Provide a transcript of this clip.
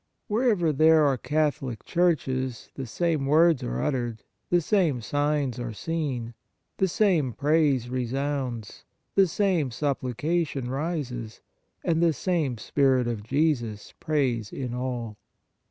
Wherever there are Catholic churches the same words are uttered, the same signs are seen, the same praise resounds, the same supplication rises, and the same Spirit of Jesus prays in all.